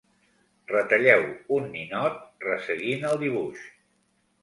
Retalleu un ninot resseguint el dibuix.